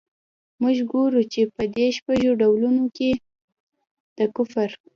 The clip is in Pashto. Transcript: موږ ګورو چي په دې شپږو ډولونو کي د کفر.